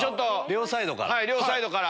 両サイドから。